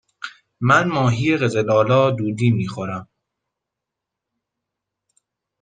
من ماهی قزل آلا دودی می خورم.